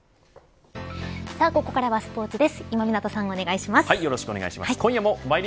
さあここからはスポーツです。